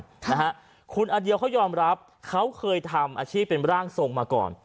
นะฮะคุณอันเดียวเขายอมรับเขาเคยทำอาชีพเป็นร่างทรงมาก่อน